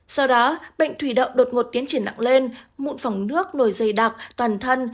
sau đó bệnh thủy đậu đột ngột tiến triển nặng lên mụn phẳng nước nổi dày đặc toàn thân